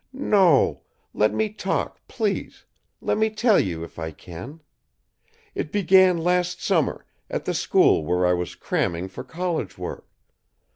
No! Let me talk, please. Let me tell you, if I can. It began last summer, at the school where I was cramming for college work.